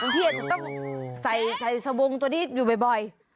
หลวงพี่ก็ต้องใส่สวงตัวนี้อยู่บ่อย